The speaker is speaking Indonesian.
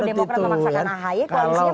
kalau demokrat memaksakan ahy koalisinya berjalan